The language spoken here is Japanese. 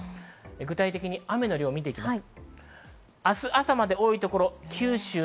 具体的に雨の量を見ていきます。